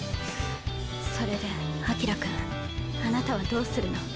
それでアキラ君あなたはどうするの？